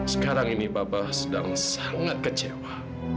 sekarang ini bapak sedang sangat kecewa